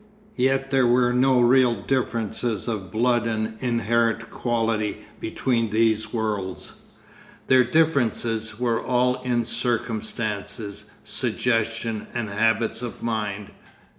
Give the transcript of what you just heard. Yet there were no real differences of blood and inherent quality between these worlds; their differences were all in circumstances, suggestion, and habits of mind.